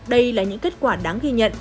đây là những kết quả đáng ghi nhận